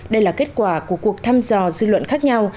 đây là kết quả của cuộc thăm dò dư luận khác nhau